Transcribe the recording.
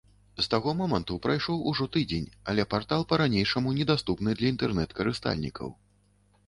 З таго моманту прайшоў ужо тыдзень, але партал па-ранейшаму недаступны для інтэрнэт-карыстальнікаў.